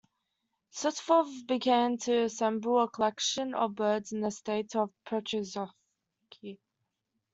Severtzov began to assemble a collection of birds in the estate of Petrovskoe.